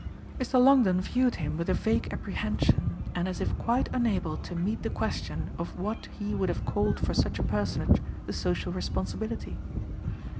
Mr. Longdon viewed him with a vague apprehension and as if quite unable to meet the question of what he would have called for such a personage the social responsibility.